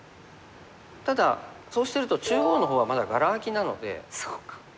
ただそうしてると中央の方はまだがら空きなので。